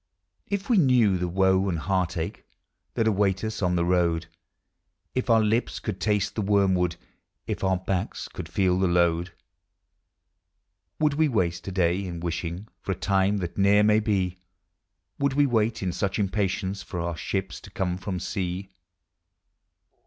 If we knew the woe and heart ache That await us ou the road ; If our lips could taste the wormwood, If our backs could feel the load; Would we waste to day in wishing For a time that ne'er may be? Would we wait in such impatience For our ships to come from sea?